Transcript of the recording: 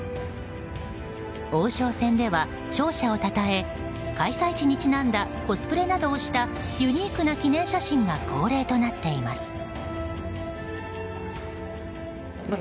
王将戦では勝者をたたえ開催地にちなんだコスプレなどをしたユニークな記念写真が恒例となっています。